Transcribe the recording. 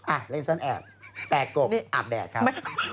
เล่นซ่อนแอบแต่กบอาบแดดครับ